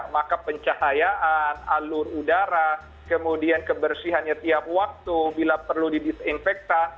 maka pencahayaan alur udara kemudian kebersihannya tiap waktu bila perlu didisinfektan